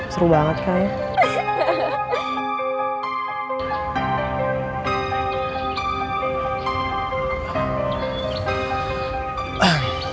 seru banget kan ya